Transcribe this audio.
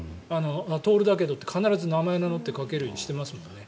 徹だけどって必ず名前を名乗ってかけるようにしてますもんね。